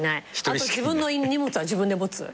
あと自分の荷物は自分で持つ。